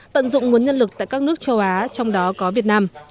tận dụng nguồn nhân lực tại các nước châu á trong đó có việt nam